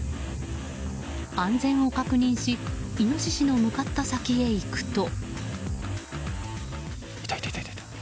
安全を確認しイノシシの向かった先へ行くと。